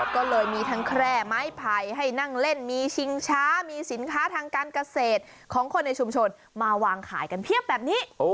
ก็เลยมีทั้งแคร่ไม้ไผ่ให้นั่งเล่นมีชิงช้ามีสินค้าทางการเกษตรของคนในชุมชนมาวางขายกันเพียบแบบนี้